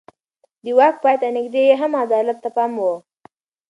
د واک پای ته نږدې يې هم عدالت ته پام و.